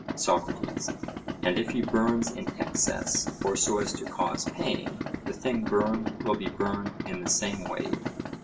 SOCRATES: And if he burns in excess or so as to cause pain, the thing burned will be burned in the same way?